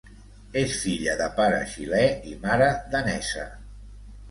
És filla de pare xilè i mare danesa.